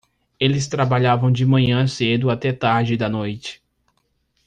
Eles trabalhavam de manhã cedo até tarde da noite.